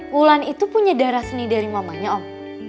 wulan itu punya darah seni dari mamanya om